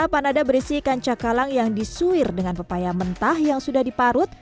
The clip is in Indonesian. panada berisi ikan cakalang yang disuir dengan pepaya mentah yang sudah diparut